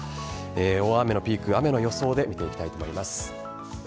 大雨のピーク雨の予想で見ていきたいと思います。